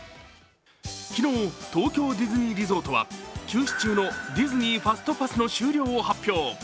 昨日、東京ディズニーリゾートは休止中のディズニーファストパスの終了を発表。